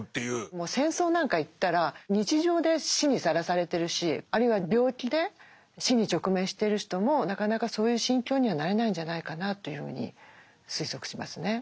もう戦争なんか行ったら日常で死にさらされてるしあるいは病気で死に直面している人もなかなかそういう心境にはなれないんじゃないかなというふうに推測しますね。